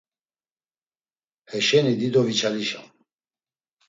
Heşeni dido viçalişam.